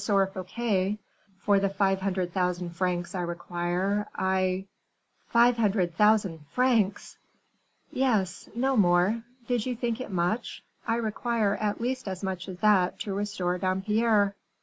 Fouquet, for the five hundred thousand francs I require, I " "Five hundred thousand francs!" "Yes; no more. Do you think it much? I require at least as much as that to restore Dampierre."